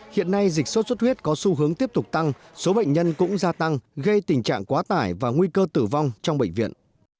hiện nay dịch sốt xuất huyết có xu hướng tiếp tục tăng số bệnh nhân cũng gia tăng gây tình trạng quá tải và nguy cơ tử vong trong bệnh viện